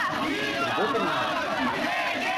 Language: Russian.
Придет или нет?